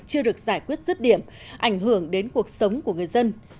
chưa được giải quyết rứt điểm ảnh hưởng đến cuộc sống của người dân